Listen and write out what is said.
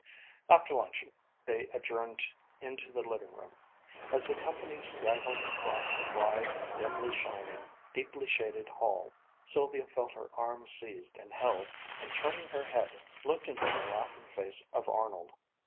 After luncheon, they adjourned into the living room. As the company straggled across the wide, dimly shining, deeply shaded hall, Sylvia felt her arm seized and held, and turning her head, looked into the laughing face of Arnold.